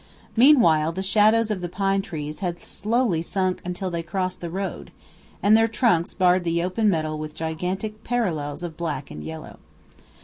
Meanwhile the shadows of the pine trees had slowly swung around until they crossed the road, and their trunks barred the open meadow with gigantic parallels of black and yellow.